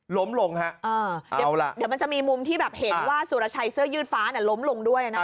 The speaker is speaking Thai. ล้มลงฮะเดี๋ยวล่ะเดี๋ยวมันจะมีมุมที่แบบเห็นว่าสุรชัยเสื้อยืดฟ้าล้มลงด้วยนะครับ